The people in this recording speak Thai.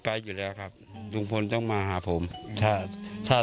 ตามหลักแล้วตัวลุงพลต้องเข้ามาหาผู้ใหญ่